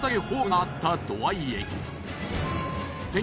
あやった！